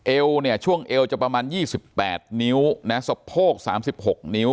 เอวเนี่ยช่วงเอวจะประมาณ๒๘นิ้วนะสะโพก๓๖นิ้ว